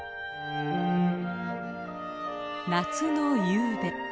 夏の夕べ。